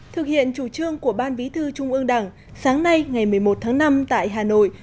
thực hiện chủ trương của ban bí thư trung ương đảng sáng nay ngày một mươi một tháng năm tại hà nội